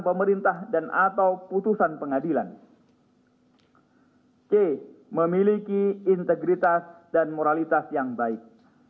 pemerintah dan atau putusan pengadilan c memiliki integritas dan moralitas yang baik